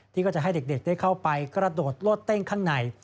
ก็จะให้เด็กได้เข้าไปกระโดดโลดเต้งข้างใน